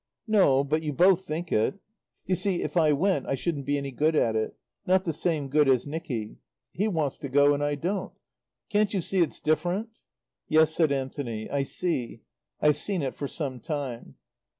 "No, but you both think it. You see, if I went I shouldn't be any good at it. Not the same good as Nicky. He wants to go and I don't. Can't you see it's different?" "Yes," said Anthony, "I see. I've seen it for some time."